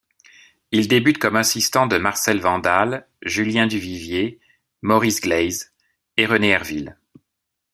Il débute comme assistant de Marcel Vandal, Julien Duvivier, Maurice Gleize et René Hervil.